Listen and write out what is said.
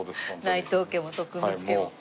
内藤家も徳光家も。